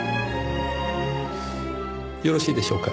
よろしいでしょうか？